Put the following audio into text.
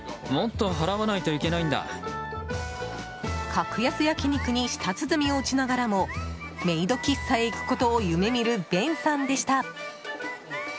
格安焼き肉に舌鼓を打ちながらもメイド喫茶へ行くことを夢見るベンさんでした。